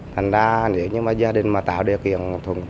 thành ra nếu như gia đình mà tạo điều kiện